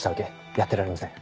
やってられません。